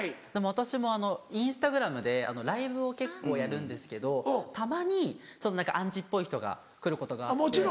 私もインスタグラムでライブを結構やるんですけどたまにアンチっぽい人が来ることがあって。